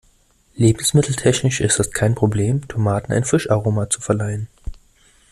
Lebensmitteltechnisch ist es kein Problem, Tomaten ein Fischaroma zu verleihen.